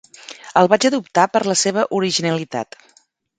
El vaig adoptar per la seva originalitat.